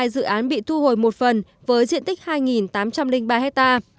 ba mươi hai dự án bị thu hồi một phần với diện tích hai tám trăm linh ba ha